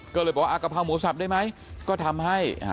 ก็เลยบอกว่ากะเพราหมูสับได้ไหมก็ทำให้